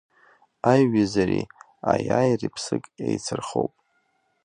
Аиҩызареи аиааиреи ԥсык еицырхоуп.